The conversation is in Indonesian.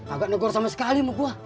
agak negor sama sekali sama gua